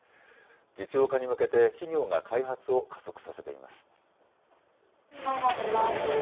実用化に向けて企業が開発を加速させています。